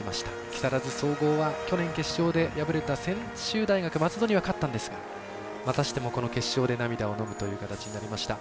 木更津総合は去年決勝で敗れた専修大学松戸には勝ったんですがまたしてもこの決勝で涙をのむという形になりました。